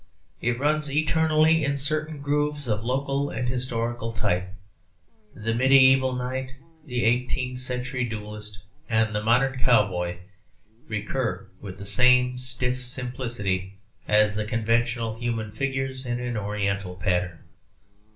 It runs eternally in certain grooves of local and historical type: the medieval knight, the eighteenth century duellist, and the modern cowboy, recur with the same stiff simplicity as the conventional human figures in an Oriental pattern.